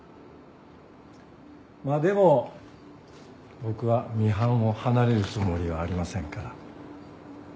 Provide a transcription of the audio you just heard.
まあでも僕はミハンを離れるつもりはありませんから。